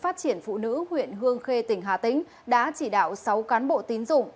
phát triển phụ nữ huyện hương khê tỉnh hà tĩnh đã chỉ đạo sáu cán bộ tín dụng